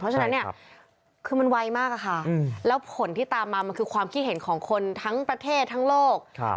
เพราะฉะนั้นเนี่ยคือมันไวมากค่ะแล้วผลที่ตามมามันคือความคิดเห็นของคนทั้งประเทศทั้งโลก